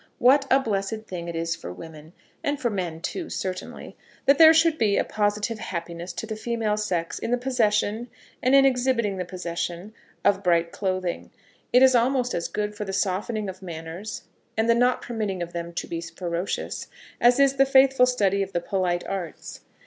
What a blessed thing it is for women, and for men too certainly, that there should be a positive happiness to the female sex in the possession, and in exhibiting the possession, of bright clothing! It is almost as good for the softening of manners, and the not permitting of them to be ferocious, as is the faithful study of the polite arts.